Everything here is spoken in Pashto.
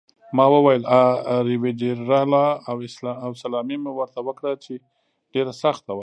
ما وویل: 'A rivederla' او سلامي مې ورته وکړه چې ډېره سخته وه.